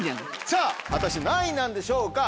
さぁ果たして何位なんでしょうか？